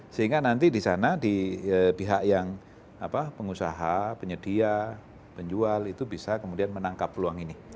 sehingga nanti di sana di pihak yang pengusaha penyedia penjual itu bisa kemudian menangkap peluang ini